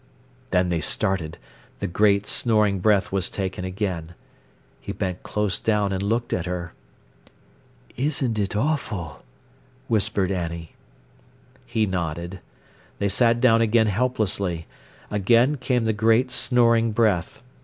Then they started. The great, snoring breath was taken again. He bent close down and looked at her. "Isn't it awful!" whispered Annie. He nodded. They sat down again helplessly. Again came the great, snoring breath.